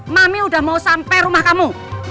mami udah mau sampai rumah kamu